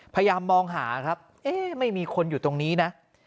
พยายามมองหาครับเอ๊ะไม่มีคนอยู่ตรงนี้นะ